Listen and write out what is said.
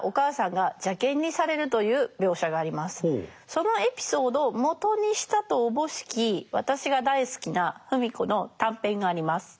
そのエピソードをもとにしたとおぼしき私が大好きな芙美子の短編があります。